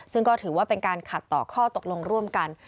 ซึ่งก็ถือว่าเป็นการขัดต่อข้อตกลงร่วมกัน